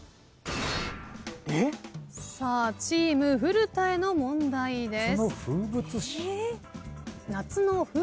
・えっ！？さあチーム古田への問題です。